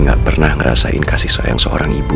gak pernah ngerasain kasih sayang seorang ibu